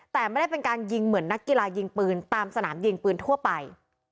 แต่ไม่ได้เป็นการยิงเหมือนนักกีฬายิงปืนตามสนามยิงปืนทั่วไป